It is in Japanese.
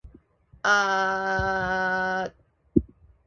行政権の帰属